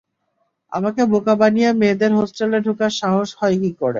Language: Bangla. আমাকে বোকা বানিয়ে মেয়েদের হোস্টেলে ডুকার সাহস হয় কি করে?